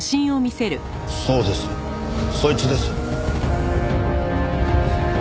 そうですそいつです。